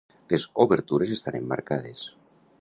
Les obertures estan emmarcades.